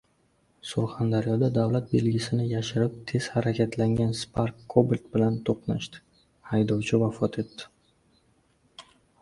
Surxondaryoda davlat belgisini yashirib tez harakatlangan Spark Cobalt bilan to‘qnashdi. Haydovchi vafot etdi